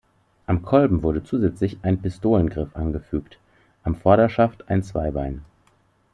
Am Kolben wurde zusätzlich ein Pistolengriff angefügt, am Vorderschaft ein Zweibein.